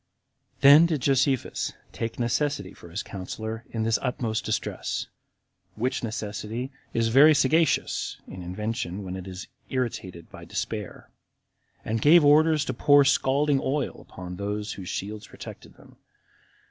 28. Then did Josephus take necessity for his counselor in this utmost distress, [which necessity is very sagacious in invention when it is irritated by despair,] and gave orders to pour scalding oil upon those whose shields protected them.